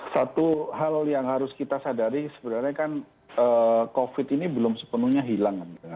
satu hal yang harus kita sadari sebenarnya kan covid ini belum sepenuhnya hilang